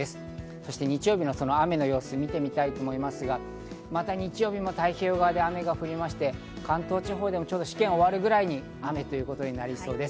そして日曜日の雨の様子を見てみたいと思いますが、太平洋側で雨が降りまして、関東地方でも試験が終わるくらいに雨となりそうです。